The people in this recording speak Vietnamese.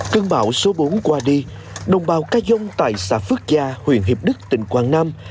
cơn bão số bốn qua đi đồng bào ca dung tại xã phước gia huyện hiệp đức tỉnh quảng nam